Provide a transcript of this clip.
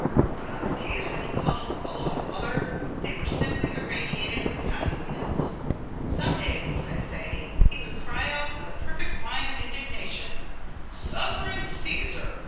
But on the days when he called: "Hullo, mother," they were simply irradiated with kindliness. Some days, I say, he would cry out with a perfect whine of indignation: "Suffering Caesar!